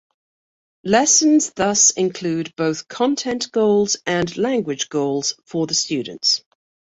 Lessons thus include both content goals and language goals for the students.